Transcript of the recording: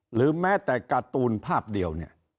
หรือแม้แต่การ์ตูนภาพเดียวเนี่ย